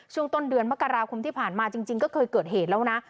ช่วงต้นเดือนมกราคมที่ผ่านมาจริงก็เคยเกิดเหตุแล้วนะ